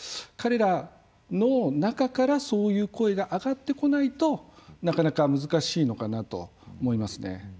彼らの中からそういう声が上がってこないとなかなか難しいのかなと思いますね。